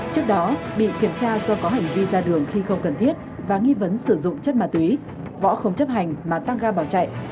trước đó bị kiểm tra do có hành vi ra đường khi không cần thiết và nghi vấn sử dụng chất ma túy võ không chấp hành mà tăng ga bỏ chạy